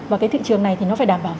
và cái thị trường này thì nó phải đảm bảo